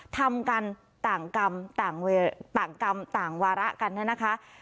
ทำกันต่างกรรมต่างเวลาต่างกรรมต่างวาระกันนะ